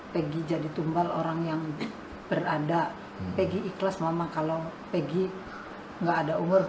pagi jadi tumbal orang yang berada pagi ikhlas mama kalau pagi tidak ada umur